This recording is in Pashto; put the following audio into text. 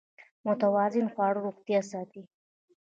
متوازن خواړه روغتیا ساتي.